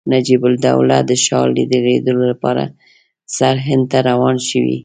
نجیب الدوله د شاه د لیدلو لپاره سرهند ته روان شوی.